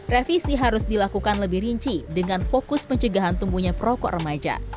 revisi harus dilakukan lebih rinci dengan fokus pencegahan tumbuhnya perokok remaja